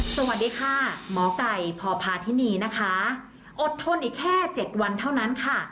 สวัสดีค่ะหมอไก่พพาธินีนะคะอดทนอีกแค่๗วันเท่านั้นค่ะ